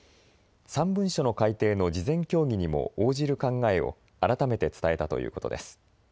３文書の改定の事前協議にも応じる考えを改めて伝えたということです。